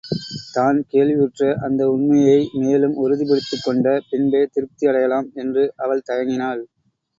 தான் கேள்வியுற்ற அந்த உண்மையை மேலும் உறுதிப்படுத்திக் கொண்ட பின்பே திருப்தி அடையலாம் என்று அவள் தயங்கினாள்.